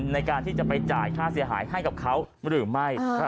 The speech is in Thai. ในการที่จะไปจ่ายค่าเสียหายให้กับเขาหรือไม่